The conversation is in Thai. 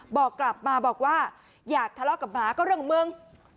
บอกกลับมาอยากทะเลาะกับมะก็เรื่องมึง